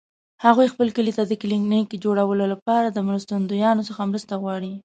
هغوی خپل کلي ته د کلینیک جوړولو لپاره له مرستندویانو څخه مرسته غواړي